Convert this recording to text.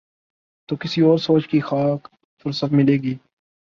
تو کسی اور سوچ کی خاک فرصت ملے گی۔